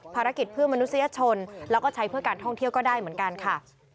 ภารกิจเพื่อมนุษยชนแล้วก็ใช้เพื่อการท่องเที่ยวก็ได้เหมือนกันค่ะ